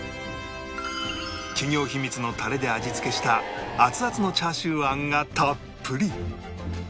企業秘密のタレで味付けした熱々のチャーシュー餡がたっぷり